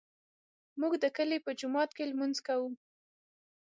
موږ د کلي په جومات کې لمونځ کوو